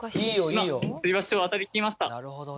今つり橋を渡りきりました！